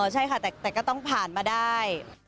ใช่ค่ะแต่ก็ต้องผ่านมาได้